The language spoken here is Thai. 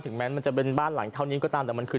แม้มันจะเป็นบ้านหลังเท่านี้ก็ตามแต่มันคือ